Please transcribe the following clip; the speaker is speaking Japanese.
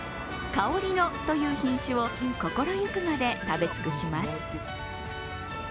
かおり野という品種を心ゆくまで食べ尽くします。